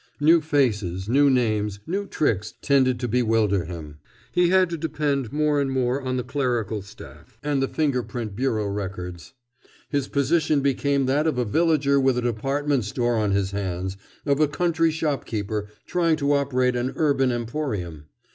New faces, new names, new tricks tended to bewilder him. He had to depend more and more on the clerical staff and the finger print bureau records. His position became that of a villager with a department store on his hands, of a country shopkeeper trying to operate an urban emporium.